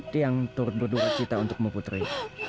tiang turut berdua cita untukmu putri